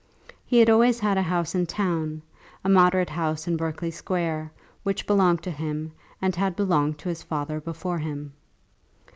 He had always had a house in town, a moderate house in Berkeley Square, which belonged to him and had belonged to his father before him.